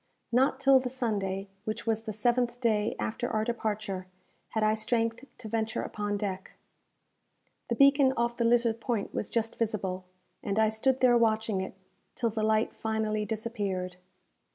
Not till the Sunday, which was the seventh day after our departure, had I strength to venture upon deck. The beacon off the Lizard Point was just visible, and I stood there watching it, till the light finally disappeared.